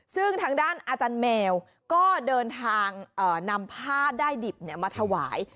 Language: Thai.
ซึ่งทางด้านอาจารย์แมวก็เดินทางนำผ้าได้ดิบมาถวาย